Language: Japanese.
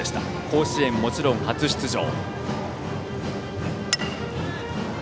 甲子園、もちろん初出場。